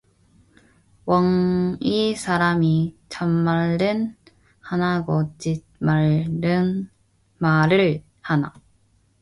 원 이 사람이, 참말을 하나 거짓말을 하나.